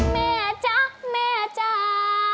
แม่จ๊ะแม่จ้า